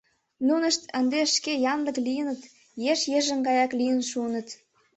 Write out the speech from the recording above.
Нунышт ынде шке янлык лийыныт, «еш йыжыҥ» гаяк лийын шуыныт.